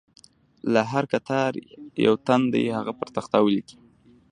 له هر کتار یو تن دې هغه پر تخته ولیکي.